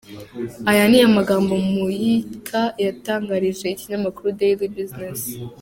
Aya ni amagambo Muyika yatangarije ikinyamakuru Daily Business .